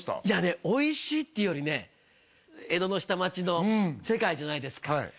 いやねおいしいっていうよりね江戸の下町の世界じゃないですか